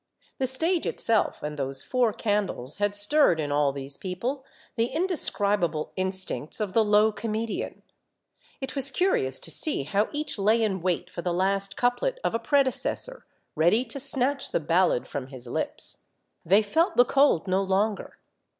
The stage itself and those four candles had stirred in all these people the indescribable instincts of the low comedian. It was curious to see how each lay The Concert of Company Eight, 169 in wait for the last couplet of a predecessor, ready to snatch the ballad from his lips. They felt the cold no longer.